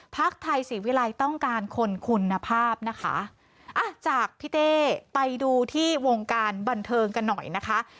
ไทยศรีวิรัยต้องการคนคุณภาพนะคะอ่ะจากพี่เต้ไปดูที่วงการบันเทิงกันหน่อยนะคะ